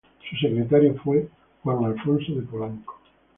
Su secretario fue Juan Alfonso de Polanco.